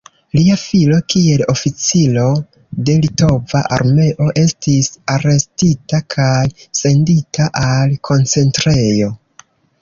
Lia filo, kiel oficiro de litova armeo, estis arestita kaj sendita al koncentrejo.